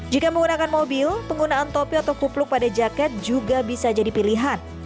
jika menggunakan mobil penggunaan topi atau kupluk pada jaket juga bisa jadi pilihan